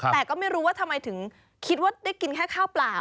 แต่ก็ไม่รู้ว่าทำไมถึงคิดว่าได้กินแค่ข้าวเปล่า